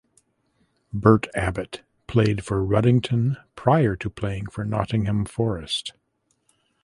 Bert Abbott played for Ruddington prior to playing for Nottingham Forest.